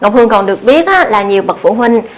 hương còn được biết là nhiều bậc phụ huynh